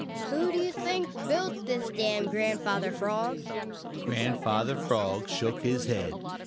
Who do you think built this dam, Grandfather Frog?" Grandfather Frog shook his head.